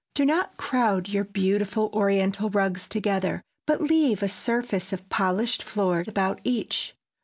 Do not crowd your beautiful Oriental rugs together, but leave a surface of polished floor about each.